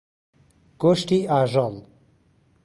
گۆشتی ئاژەڵ.